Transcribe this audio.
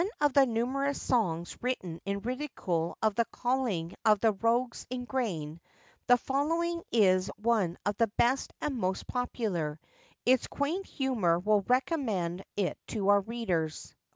Of the numerous songs written in ridicule of the calling of the 'rogues in grain,' the following is one of the best and most popular: its quaint humour will recommend it to our readers.